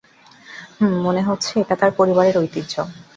হুম, মনে হচ্ছে এটা তার পরিবারের ঐতিহ্য।